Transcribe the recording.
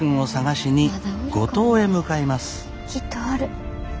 きっとおる。